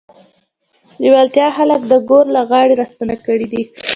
لېوالتیا خلک د ګور له غاړې راستانه کړي دي